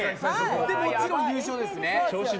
で、もちろん優勝ですね？